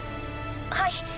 はい。